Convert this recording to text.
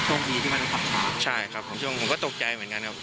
ช่วงดีที่มันกลับมาใช่ครับช่วงผมก็ตกใจเหมือนกันครับ